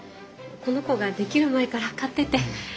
この子ができる前から飼ってて。